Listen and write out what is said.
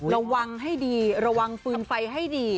ระวังให้ดีระวังฟืนไฟให้ดี